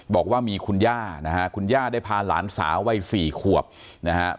บอกว่ามีคุณย่านะฮะคุณย่าได้พาหลานสาววัยสี่ขวบนะฮะ